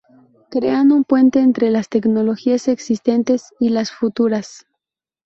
Crean un puente entre las tecnologías existentes y las futuras.